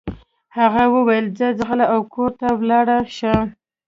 هغه وويل ځه ځغله او کور ته ولاړه شه.